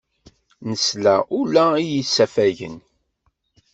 Nesla ula i yisafagen.